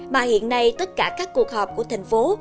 mà hiện nay tất cả các cuộc họp của thành phố